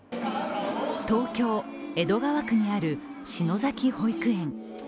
東京・江戸川区にある篠崎保育園。